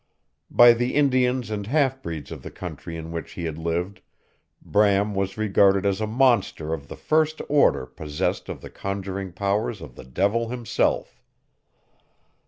By the Indians and half breeds of the country in which he had lived, Bram was regarded as a monster of the first order possessed of the conjuring powers of the devil himself.